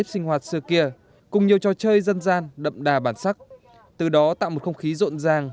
sinh hoạt xưa kia cùng nhiều trò chơi dân gian đậm đà bản sắc từ đó tạo một không khí rộn ràng